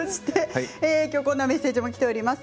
こんなメッセージがきています。